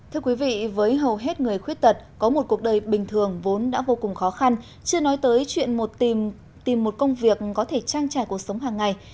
thưa quý vị với hầu hết người khuyết tật có một cuộc đời bình thường vốn đã vô cùng khó khăn chưa nói tới chuyện tìm một công việc có thể trang trải cuộc sống hàng ngày